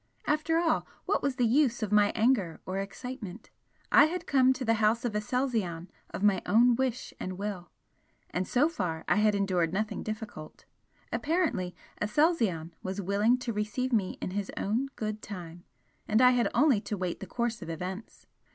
After all, what was the use of my anger or excitement? I had come to the House of Aselzion of my own wish and will, and so far I had endured nothing difficult. Apparently Aselzion was willing to receive me in his own good time and I had only to wait the course of events.